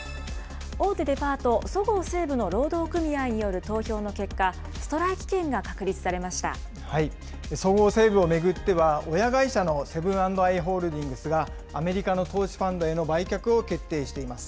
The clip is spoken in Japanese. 大手デパート、そごう・西武の労働組合による投票の結果、ストライキ権が確立さそごう・西武を巡っては、親会社のセブン＆アイ・ホールディングスが、アメリカの投資ファンドへの売却を決定しています。